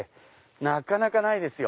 なかなかないですよ。